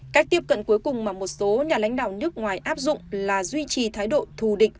cách tiếp cận cuối cùng mà một số nhà lãnh đạo nước ngoài áp dụng là duy trì thái độ thù địch